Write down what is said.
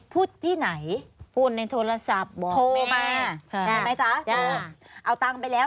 พูดที่ไหนพูดในโทรศัพท์บอกโทรมาใช่ไหมจ๊ะโทรเอาตังค์ไปแล้ว